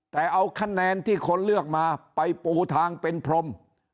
แต่เอาคะแนนที่คนเลือกมาไปปูทางเป็นพรม